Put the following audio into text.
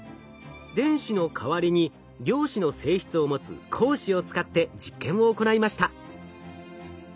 電子の代わりに量子の性質を持つ「光子」を使って実験を行いました。